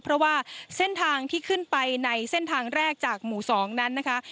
เพราะว่าเส้นทางที่ขึ้นไปในเส้นทางแรกจากหมู่๒นั้นนะคะ